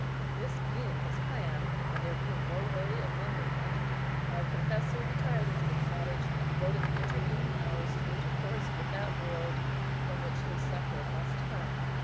This being his plan, and there being no way of mending it, our confessor retired into the cottage, and devoted the intervening hours to intercourse with that world from which his succour must come.